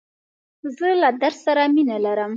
زه له درس سره مینه لرم.